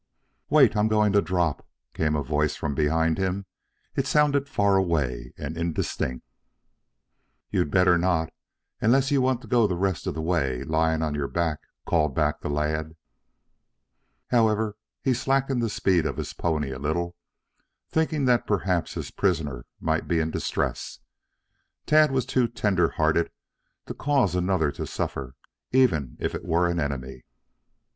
"Wait, I I I'm going to drop," came a voice from behind him. It sounded far away and indistinct. "You'd better not unless you want to go the rest of the way lying on your back," called back the lad. However, he slackened the speed of his pony a little, thinking that perhaps his prisoner might be in distress. Tad was too tender hearted to cause another to suffer, even if it were an enemy.